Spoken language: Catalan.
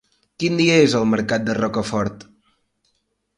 Quin dia és el mercat de Rocafort?